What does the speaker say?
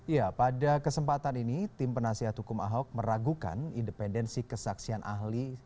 ya pada kesempatan ini tim penasihat hukum ahok meragukan independensi kesaksian ahli